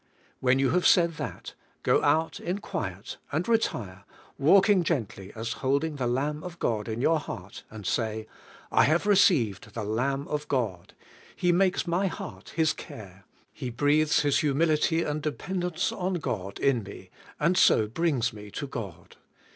When CHRIST S IIUMILirV OUR SALVATION CO you have said that, go out in quiet, and retire, walking gently as holding the Lamb of God in your heart, and say: "I have received the Lamb of God; He makes my heart His care; He breathes His humility and dependence en God in me, and so brings me to God.